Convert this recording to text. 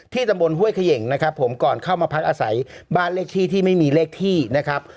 ตำบลห้วยเขย่งนะครับผมก่อนเข้ามาพักอาศัยบ้านเลขที่ที่ไม่มีเลขที่นะครับ